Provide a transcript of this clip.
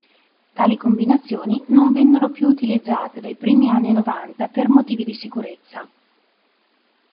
Tali combinazioni non vennero più utilizzate dai primi anni Novanta per motivi di sicurezza.